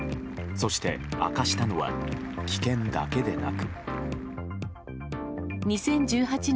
そして、明かしたのは棄権だけでなく。